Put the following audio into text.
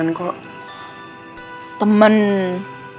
aku sama mimmy cuman temenan kok